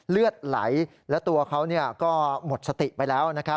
เลือดไหลและตัวเขาก็หมดสติไปแล้วนะครับ